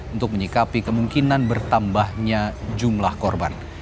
untuk menyikapi kemungkinan bertambahnya jumlah korban